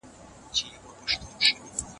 والدین به رول ولري.